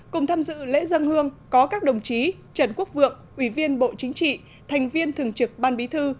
cùng tham dự lễ dân hương có các đồng chí trần quốc vượng ủy viên bộ chính trị thành viên thường trực ban bí thư